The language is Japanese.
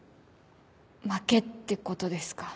負けってことですか。